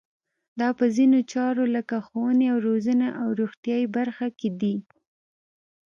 دا په ځینو چارو لکه ښوونې او روزنې او روغتیایي برخه کې دي.